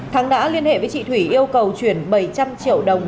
thắng đã liên hệ với chị thủy yêu cầu chuyển bảy trăm linh triệu đồng